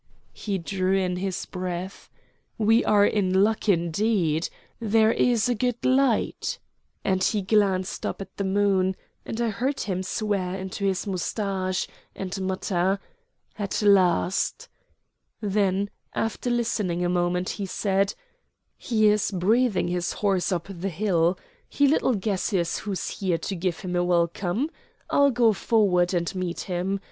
He drew in his breath. "We are in luck indeed. There is a good light," and he glanced up at the moon, and I heard him swear into his mustache, and mutter, "At last!" Then, after listening a moment, he said: "He is breathing his horse up the hill. He little guesses who's here to give him a welcome. I'll go forward and meet him.